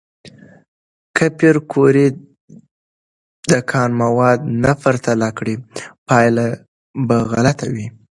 که پېیر کوري د کان مواد نه پرتله کړي، پایله به غلطه وي.